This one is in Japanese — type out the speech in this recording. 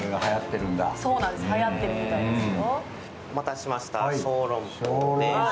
はやってるみたいですよ。